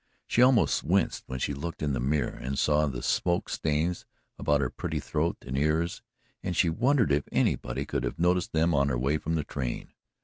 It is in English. She almost winced when she looked in the mirror and saw the smoke stains about her pretty throat and ears, and she wondered if anybody could have noticed them on her way from the train.